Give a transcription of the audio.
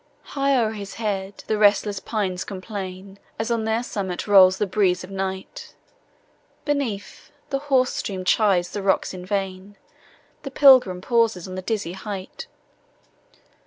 High o'er his head, the restless pines complain, As on their summit rolls the breeze of night; Beneath, the hoarse stream chides the rocks in vain: The Pilgrim pauses on the dizzy height.